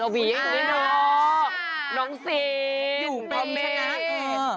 เอาวิ้งนี่ดูน้องศีนอยู่พร้อมชนะค่ะ